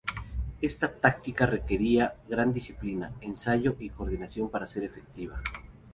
Esta táctica requería gran disciplina, ensayo, y coordinación para ser efectiva.